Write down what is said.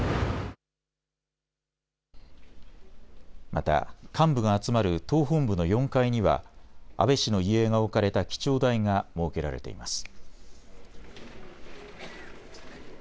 また、幹部が集まる党本部の４階には安倍氏の遺影が置かれた記帳台が設けられています。